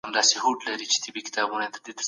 لويه جرګه به د جنګ مخنيوی وکړي.